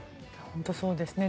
本当にそうなんですね。